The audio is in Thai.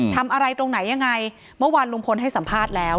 ทำอะไรตรงไหนยังไงเมื่อวานลุงพลให้สัมภาษณ์แล้ว